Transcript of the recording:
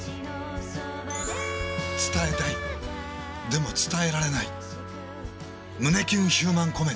伝えたいでも伝えられない胸キュンヒューマンコメディ。